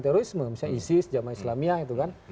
terorisme misalnya isis jamaah islamia itu kan